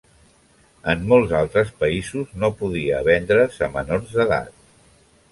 En molts altres països no podia vendre's a menors d'edat.